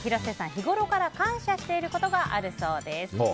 日頃から感謝していることがあるそうです。